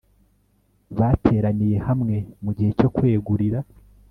bateraniye hamwe mu gihe cyo kwegurira